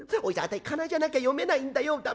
おじちゃんあたい仮名じゃなきゃ読めないんだよ。